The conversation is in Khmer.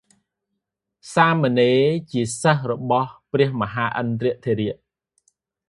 សាមណេរ ជាសិស្សរបស់ព្រះមហិន្ទថេរៈ